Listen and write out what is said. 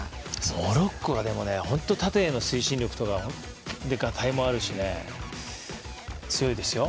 モロッコが、でもね本当、縦への推進力とかがたいもあるしね、強いですよ。